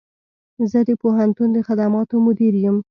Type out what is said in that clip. زه د پوهنتون د خدماتو مدیر یم